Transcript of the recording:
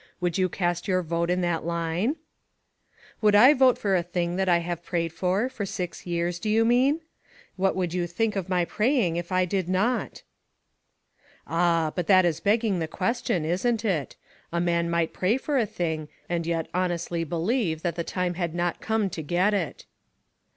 Would you cast your vote in that line ?"" Would I vote for a thing that I have prayed for, for six years, do you mean ? What would you think of my praying, if I did not?" 306 PARALLELS. 3O/ " Ah, but that is begging the question, isn't it ? A man might pray for a thing, and yet honestly believe that the time had not come to get it."